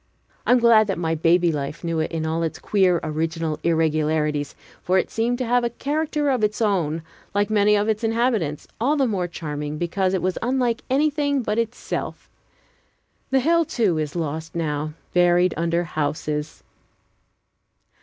I am glad that my baby life knew it in all its queer, original irregularities, for it seemed to have a character of its own, like many of its inhabitants, all the more charming because it was unlike anything but itself. The hill, too, is lost now, buried under houses.